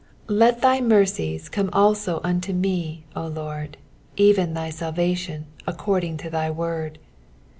LET thy mercies come also unto me, O Lord, even thy salva tion, according to thy word.